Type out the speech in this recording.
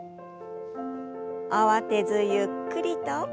慌てずゆっくりと。